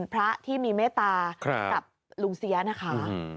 พระที่มีเมตตากับลุงเสียนะคะ